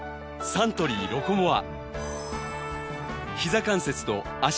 サントリー「ロコモア」